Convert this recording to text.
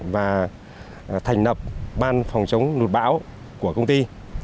và thành lập ban phòng chống lụt bão của công ty